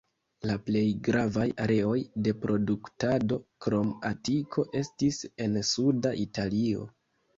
La plej gravaj areoj de produktado, krom Atiko, estis en Suda Italio.